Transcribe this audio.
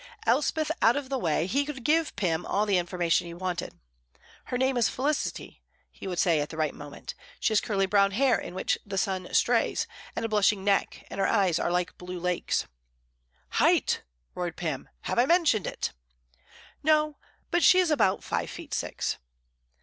Elspeth out of the way, he could give Pym all the information wanted. "Her name is Felicity," he would say at the right moment; "she has curly brown hair in which the sun strays, and a blushing neck, and her eyes are like blue lakes." "Height!" roared Pym. "Have I mentioned it?" "No; but she is about five feet six."